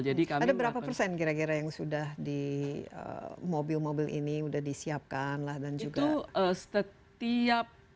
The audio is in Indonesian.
ada berapa persen kira kira yang sudah di mobil mobil ini sudah disiapkan dan juga